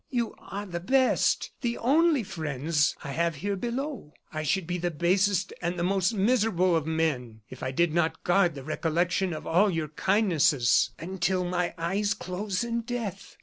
You are the best, the only friends, I have here below. I should be the basest and the most miserable of men if I did not guard the recollection of all your kindnesses until my eyes close in death.